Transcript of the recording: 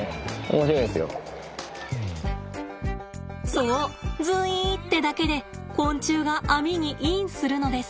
そうズイーってだけで昆虫が網にインするのです。